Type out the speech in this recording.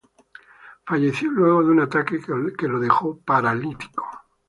Falleció luego de un ataque que lo dejó paralítico.